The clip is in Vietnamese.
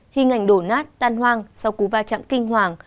khi ngành đổ nát tan hoang sau cú va chạm kinh hoàng